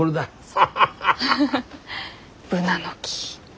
ブナの木。